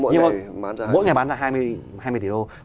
nhưng mà mỗi ngày bán ra hai mươi tỷ đô la